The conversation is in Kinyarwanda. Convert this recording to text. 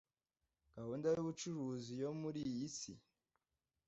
GAHUNDA y'ubucuruzi yo muri iyi si,